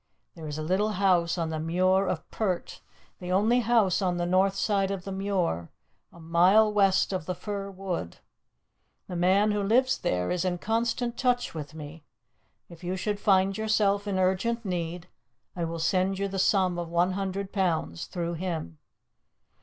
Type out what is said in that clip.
There is a little house on the Muir of Pert, the only house on the north side of the Muir, a mile west of the fir wood. The man who lives there is in constant touch with me. If you should find yourself in urgent need, I will send you the sum of one hundred pounds through him.